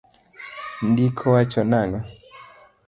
Ndiko wacho nang'o?